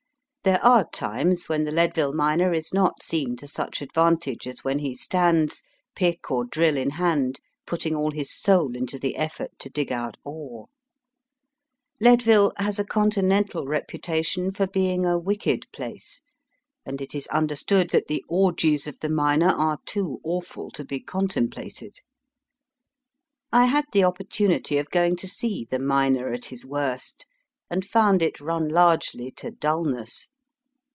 There are times when the Leadville miner is not seen to such advantage as when he stands, pick or drill in hand, putting all his soul into the effort to dig out ore. LeadviUe has a Continental reputation for being a wicked place, and it is understood that the orgies of the miner are too awful to be contemplated. I had the opportunity of going to see the miner at his worst, and found it run largely to dulness.